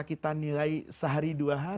kita nilai sehari dua hari